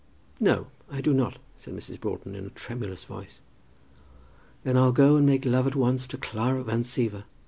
"No; I do not," said Mrs. Broughton, in a tremulous voice. "Then I'll go and make love at once to Clara Van Siever.